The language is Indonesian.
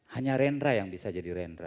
hanya rendra yang bisa jadi rendra